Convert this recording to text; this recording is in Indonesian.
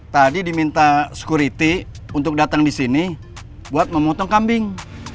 tadi diminta sekuriti untuk datang di sini buat memotong kambing